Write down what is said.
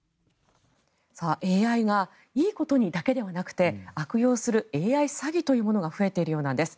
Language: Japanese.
ＡＩがいいことにだけではなくて悪用するＡＩ詐欺というものが増えているようなんです。